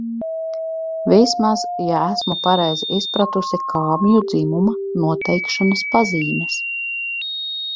Vismaz, ja esmu pareizi izpratusi kāmju dzimuma noteikšanas pazīmes...